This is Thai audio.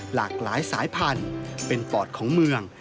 หลากหลายสายพันธุ์เป็นฟอร์ดของเมือง